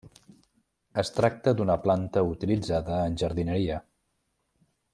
Es tracta d'una planta utilitzada en jardineria.